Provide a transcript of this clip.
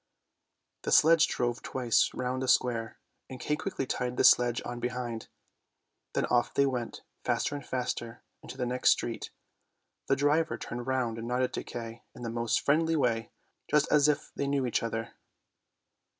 The sledge drove twice round the square, and Kay quickly tied his sledge on behind. Then off they went, faster and faster, into the next street. The driver turned round and nodded to Kay in the most friendly way, just as if they knew each other.